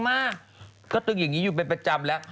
อย่างงี้อยู่ไปประจำแล้ว